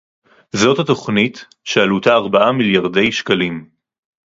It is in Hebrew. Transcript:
זאת התוכנית שעלותה ארבעה מיליארדי שקלים